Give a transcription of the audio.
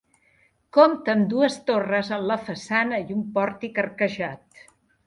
Compta amb dues torres en la façana i un pòrtic arquejat.